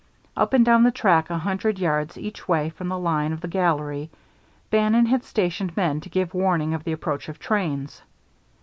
Up and down the track a hundred yards each way from the line of the gallery Bannon had stationed men to give warning of the approach of trains.